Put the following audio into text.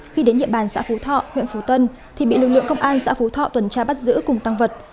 khi đến địa bàn xã phú thọ huyện phú tân thì bị lực lượng công an xã phú thọ tuần tra bắt giữ cùng tăng vật